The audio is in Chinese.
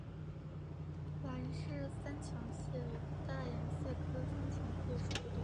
兰氏三强蟹为大眼蟹科三强蟹属的动物。